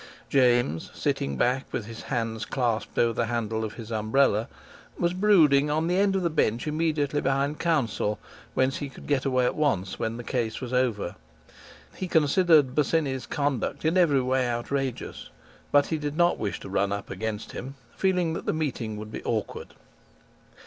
James, sitting back with his hands clasped over the handle of his umbrella, was brooding on the end of the bench immediately behind counsel, whence he could get away at once when the case was over. He considered Bosinney's conduct in every way outrageous, but he did not wish to run up against him, feeling that the meeting would be awkward.